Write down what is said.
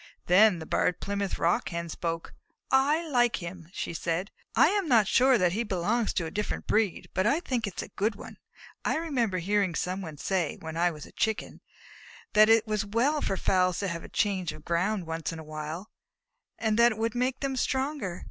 Then the Barred Plymouth Rock Hen spoke. "I like him," she said. "I am sure that he belongs to a different breed, but I think it is a good one. I remember hearing somebody say, when I was a Chicken, that it was well for fowls to have a change of ground once in a while, and that it would make them stronger.